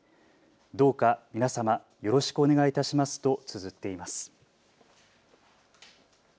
どうか皆様、よろしくお願い致しますとつづっています。